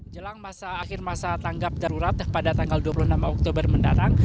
jelang akhir masa tanggap darurat pada tanggal dua puluh enam oktober mendatang